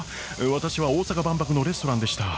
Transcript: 私は大阪万博のレストランでした。